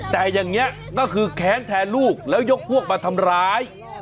แต่อย่างนี้ก็คือแค้นแทนลูกแล้วยกพวกมาทำร้าย